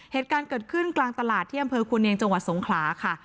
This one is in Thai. เหตุการณ์เกิดขึ้นกลางตลาดที่อำเภอควรเนียงจังหวัดสงขลาค่ะ